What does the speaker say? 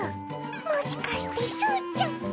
もしかしてすうちゃん！